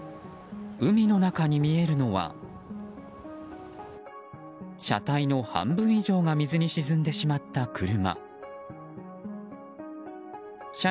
海の中に見えるのは車体の半分以上が水に沈んでしまった車。